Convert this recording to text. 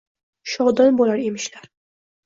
Shodon bo’lar emishlar.